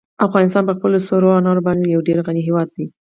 افغانستان په خپلو سرو انارو باندې یو ډېر غني هېواد دی.